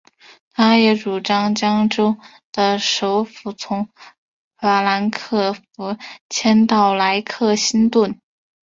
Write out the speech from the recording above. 他也主张将州的首府从法兰克福迁到莱克星顿。